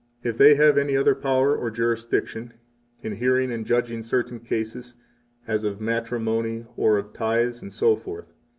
29 If they have any other power or jurisdiction, in hearing and judging certain cases, as of matrimony or of tithes, etc.